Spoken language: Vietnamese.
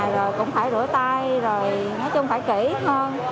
rồi cũng phải rửa tay rồi nói chung phải kỹ hơn